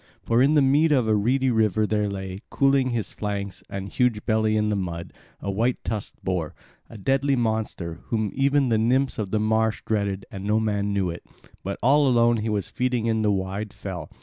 For in the mead of the reedy river there lay, cooling his flanks and huge belly in the mud, a white tusked boar, a deadly monster, whom even the nymphs of the marsh dreaded, and no man knew it; but all alone he was feeding in the wide fell.